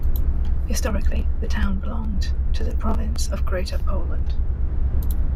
Historically, the town belonged to the province of Greater Poland.